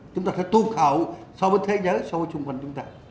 chúng ta phải tụt hậu so với thế giới so với chung quanh chúng ta